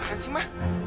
apaan sih ma